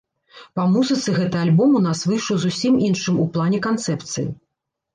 Па музыцы гэты альбом у нас выйшаў зусім іншым у плане канцэпцыі.